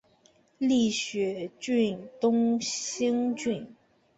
立雪郡东兴郡